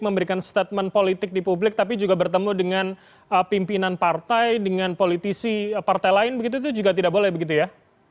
memberikan statement politik di publik tapi juga bertemu dengan pimpinan partai dengan politisi partai lain begitu itu juga tidak boleh begitu ya